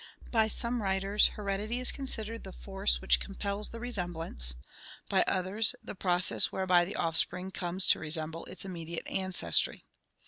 By some writers heredity is considered the force which compels the resemblance; by others the process whereby the offspring comes to resemble its immediate ancestry.